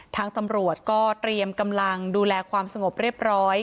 ทางตำรวจก็เตรียมกำลังดูแลความสงบเรียบร้อย